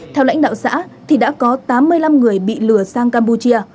theo lãnh đạo xã thì đã có tám mươi năm người bị lừa sang campuchia